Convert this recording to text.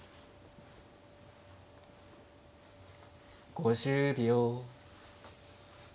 ５０秒。